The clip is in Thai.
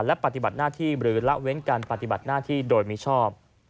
และปฏิบัติหน้าที่หรือละเว้นการปฏิบัติหน้าที่โดยมิชอบ